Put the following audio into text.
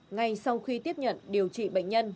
ngay sau khi tiếp nhận điều trị bệnh nhân